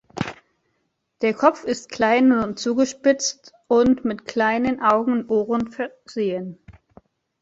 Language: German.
Der Kopf ist klein und zugespitzt und mit kleinen Augen und Ohren versehen.